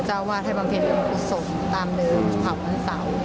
เจ้าอาวาสให้บำเทศยังคุดศพตามเดิมผ่าวันเสาร์